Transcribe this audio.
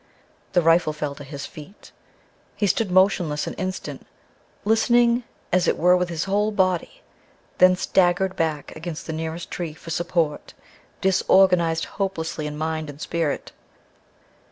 The rifle fell to his feet. He stood motionless an instant, listening as it were with his whole body, then staggered back against the nearest tree for support, disorganized hopelessly in mind and spirit.